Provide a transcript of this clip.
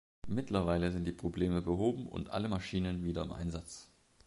Mittlerweile sind die Probleme behoben und alle Maschinen wieder im Einsatz.